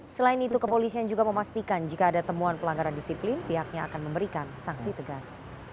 selain itu kepolisian juga memastikan jika ada temuan pelanggaran disiplin pihaknya akan memberikan sanksi tegas